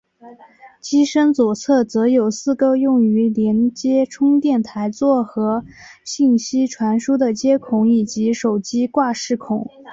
机身左侧则有四个用于连接充电台座和信息传输的接孔以及手机挂饰孔。